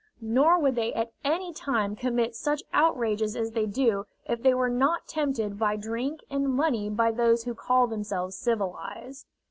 Nor would they at any time commit such outrages as they do if they were not tempted by drink and money by those who call themselves civilized.